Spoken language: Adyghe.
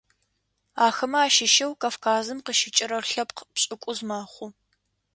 Ахэмэ ащыщэу Кавказым къыщыкӏырэр лъэпкъ пшӏыкӏуз мэхъу.